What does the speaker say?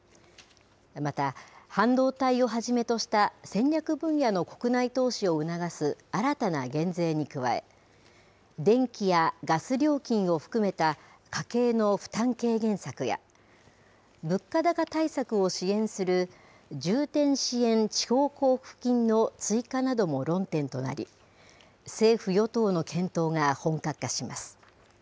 また、半導体をはじめとした戦略分野の国内投資を促す新たな減税に加え、電気やガス料金を含めた家計の負担軽減策や、物価高対策を支援する重点支援地方交付金の追加なども論点となり、政府・与党の検討が本格化します。